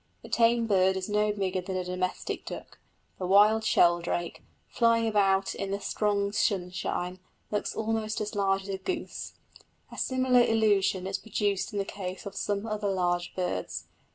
The tame bird is no bigger than a domestic duck; the wild sheldrake, flying about in the strong sunshine, looks almost as large as a goose. A similar illusion is produced in the case of some other large birds.